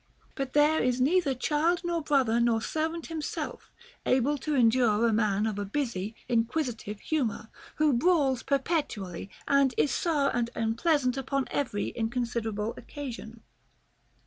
But there is neither child nor brother nor servant himself able to endure a man of a busy inquisitive humor, who brawls perpetually, and is sour and unpleasant upon every inconsiderable occasion.